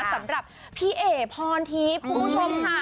สำหรับพี่เอ๋พรทีผู้ชมค่ะ